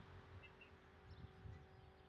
mbili tano tano saba sita nne